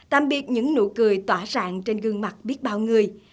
tạm biệt những nụ cười tỏa sáng trên gương mặt biết bao người